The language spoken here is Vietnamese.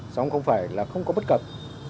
xong không phải là không có bất cập